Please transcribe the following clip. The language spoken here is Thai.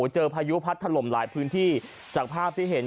พายุพัดถล่มหลายพื้นที่จากภาพที่เห็น